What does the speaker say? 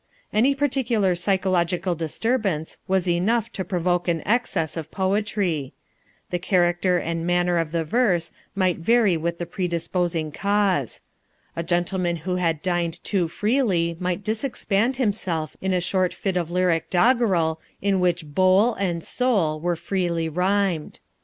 Any particular psychological disturbance was enough to provoke an excess of poetry. The character and manner of the verse might vary with the predisposing cause. A gentleman who had dined too freely might disexpand himself in a short fit of lyric doggerel in which "bowl" and "soul" were freely rhymed.